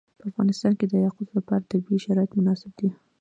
په افغانستان کې د یاقوت لپاره طبیعي شرایط مناسب دي.